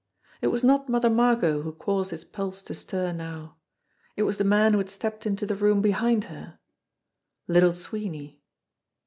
It was not Mother Margot who caused his pulse to stir now ; it was the man who had stepped into the room behind her Little Sweeney.